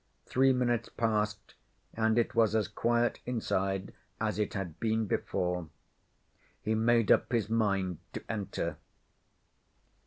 Three minutes passed and it was as quiet inside as it had been before. He made up his mind to enter.